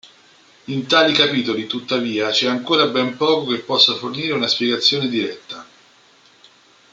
In tali capitoli tuttavia c'è ancora ben poco che possa fornire una spiegazione diretta.